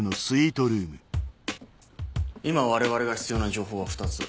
今我々が必要な情報は２つ。